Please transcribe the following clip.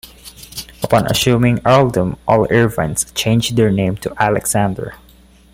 Upon assuming the Earldom all Irvines changed their name to Alexander.